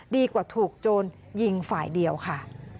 ดีกว่าถูกโจรยิงฝ่ายเดียวค่ะ